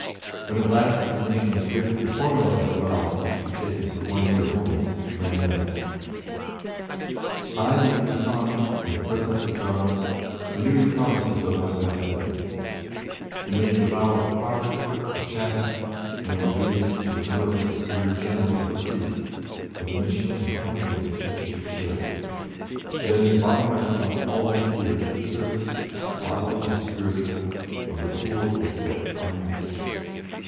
When at last the permission was given, the formula of the vows, which were taken for one year only, ran thus: "I the undersigned, in the Presence of God, renew the promises of my Baptism, and make the vow of poverty, of chastity, and of obedience to the Venerable Superior General of the Priests of the Mission in the Company of the Sisters of Charity, that I may bind myself all this year to the service, bodily and spiritual, of the poor and sick our masters.